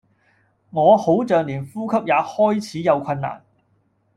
我好像連呼吸也開始有困難